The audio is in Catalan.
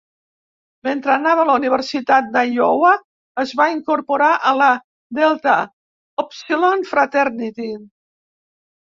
Mentre anava a la Universitat d'Iowa es va incorporar a la Delta Upsilon Fraternity.